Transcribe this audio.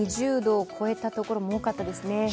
２０度を超えたところも多かったですね。